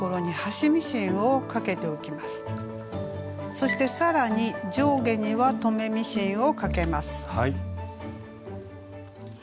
そしてさらに上下には留めミシンをかけます。